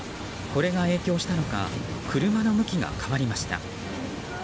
これが影響したのか車の向きが変わりました。